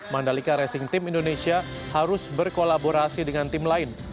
mandalika racing team indonesia harus berkolaborasi dengan tim lain